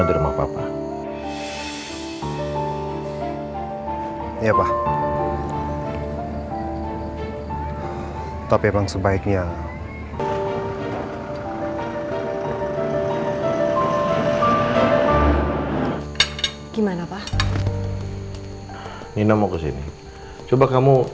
sampai jumpa di video selanjutnya